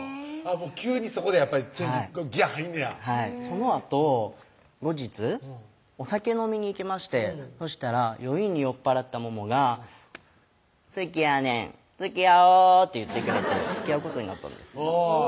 急にそこでやっぱりギヤ入んねやそのあと後日お酒飲みに行きましてそしたら酔いに酔っ払ったモモが「好きやねんつきあお」って言ってくれてつきあうことになったんですうん